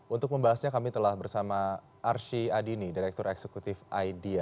untuk membahasnya kami telah bersama arsy adini direktur eksekutif idea